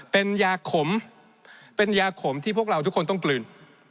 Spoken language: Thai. เป็นยาขมเป็นยาขมที่พวกเราทุกคนต้องกลืน